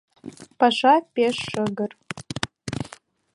«Паша пеш шыгыр